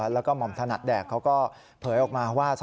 แล้วก็หม่อมถนัดแดกเขาก็เผยออกมาว่า